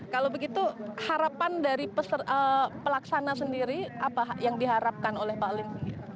kalau begitu harapan dari pelaksana sendiri apa yang diharapkan oleh pak alim sendiri